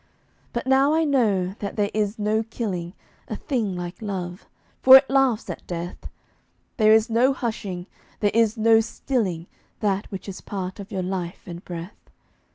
But now I know that there is no killing A thing like Love, for it laughs at Death. There is no hushing, there is no stilling That which is part of your life and breath.